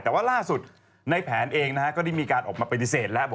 แต่ว่าล่าสุดในแผนเองก็ได้มีการอบมาปฏิเสธนะครับ